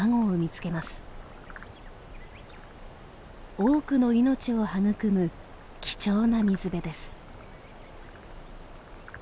多くの命を育む貴重な水辺です。